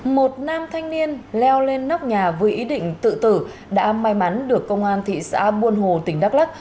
một nam thanh niên leo lên nóc nhà với ý định tự tử đã may mắn được công an thị xã buôn hồ tỉnh đắk lắc